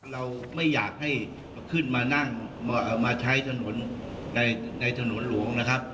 เราไม่อยากให้ขึ้นมานั่งมาใช้ถนนในถนนหลวงนะครับ